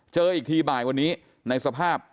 เจออีกทีบ่ายวันนี้ในสภาพ